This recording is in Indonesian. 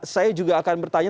saya juga akan bertanya